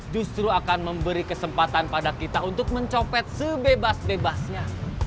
justru akan memberi kesempatan pada kita untuk mencopet sebebas bebasnya